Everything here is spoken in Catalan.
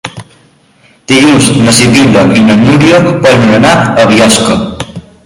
Dilluns na Sibil·la i na Núria volen anar a Biosca.